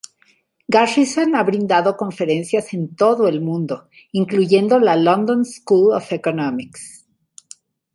Garrison ha brindado conferencias en todo el mundo, incluyendo la London School of Economics.